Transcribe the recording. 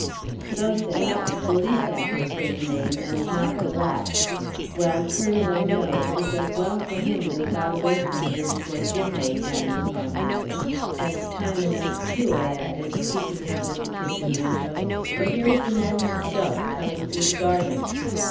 "So," said I, "de Lissac is his name, and not de Lapp. Well, colonel or no, it is as well for him that he got away from here before Jim laid hands upon him. And time enough, too," I added, peeping out at the kitchen window, "for here is the man himself coming through the garden."